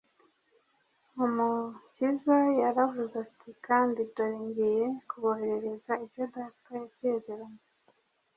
Umukiza yaravuze ati, “Kandi dore ngiye kuboherereza ibyo Data yasezeranye: